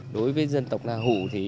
đối với dân tộc hù